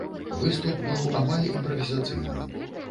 Выступ быў амаль імправізацыйным.